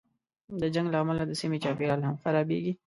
د جنګ له امله د سیمې چاپېریال هم خرابېږي.